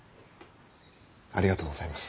ありがとうございます。